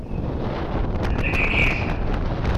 D nekk i k-yessnen!